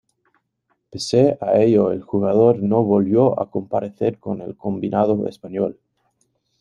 Pese a ello el jugador no volvió a comparecer con el combinado español.